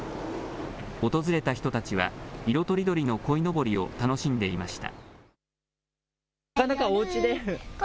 訪れた人たちは色とりどりのこいのぼりを楽しんでいました。